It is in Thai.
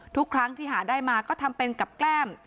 ทุกครั้งที่หาได้มาก็ทำเป็นกับแกล้ม